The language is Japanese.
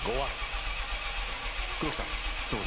黒木さんひと言。